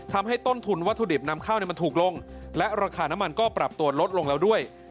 ต้นทุนวัตถุดิบนำเข้ามันถูกลงและราคาน้ำมันก็ปรับตัวลดลงแล้วด้วย